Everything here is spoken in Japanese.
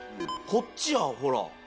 こっちはほら。